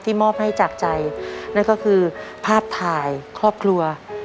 มอบให้จากใจนั่นก็คือภาพถ่ายครอบครัว